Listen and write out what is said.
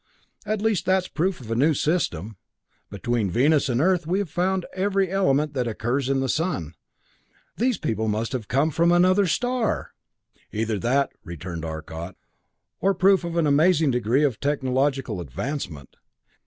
At least that's proof of a new system. Between Venus and Earth we have found every element that occurs in the sun. These people must have come from another star!" "Either that," returned Arcot, "or proof of an amazing degree of technological advancement.